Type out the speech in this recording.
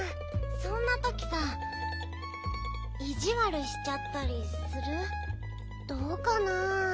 そんなときさいじわるしちゃったりする？どうかな。